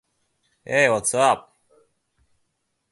Acanthite is the only stable form in normal air temperature.